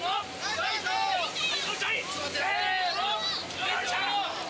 よいしょ！